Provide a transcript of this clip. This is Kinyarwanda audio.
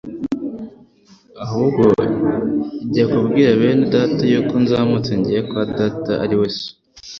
Ahubwo jya kubwira bene data yuko nzamutse ngiye kwa Data ari we So,